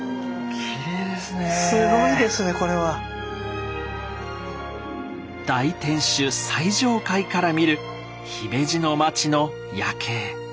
すごいですねこれは！大天守最上階から見る姫路の町の夜景。